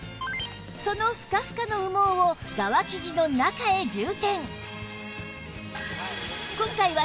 そのふかふかの羽毛を側生地の中へ充